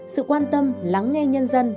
sự quan tâm lắng nghe nhân dân